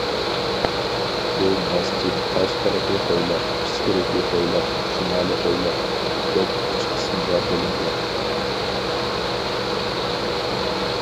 بۇ مەسچىت تاشقىرىقى ھويلا، ئىچكىرىكى ھويلا، شىمالىي ھويلا، دەپ ئۈچ قىسىمغا بۆلۈنگەن.